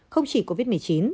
không chỉ covid một mươi chín